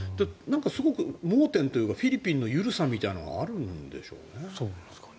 すごく盲点というかフィリピンの緩さみたいなのがあるんでしょうね。